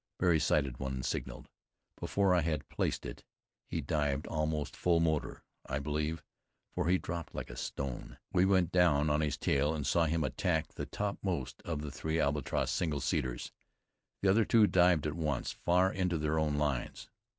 Barry sighted one and signaled. Before I had placed it, he dived, almost full motor, I believe, for he dropped like a stone. We went down on his tail and saw him attack the topmost of three Albatross single seaters. The other two dived at once, far into their own lines.